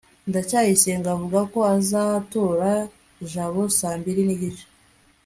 ndacyayisenga avuga ko azatora jabo saa mbiri n'igice